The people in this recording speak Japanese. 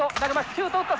シュート打った。